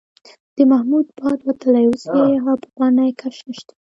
د محمود باد وتلی، اوس یې هغه پخوانی کش نشته.